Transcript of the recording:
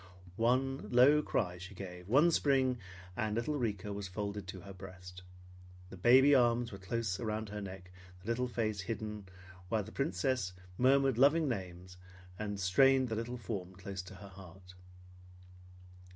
One low cry she gave; one spring, and little Rika was folded to her breast. The baby arms were close around her neck, the little face hidden while the Princess murmured loving names and strained the little form close to her heart.